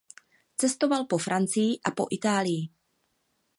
Cestoval po Francii a po Itálii.